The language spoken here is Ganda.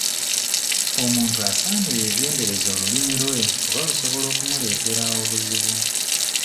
Omuntu asaanye yeegendereze olulimi lwe kuba lusobola okumuleetera obuzibu.